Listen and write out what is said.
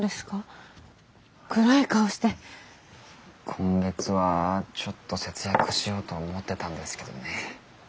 今月はちょっと節約しようと思ってたんですけどね。